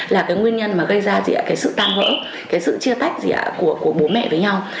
là cái nguyên nhân mà gây ra gì ạ cái sự tan hỡi cái sự chia tách gì ạ của bố mẹ với nhau